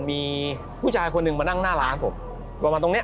มีผู้ชายคนหนึ่งมานั่งหน้าร้านผมประมาณตรงเนี้ย